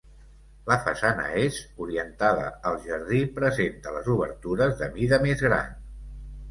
La façana est, orientada al jardí, presenta les obertures de mida més gran.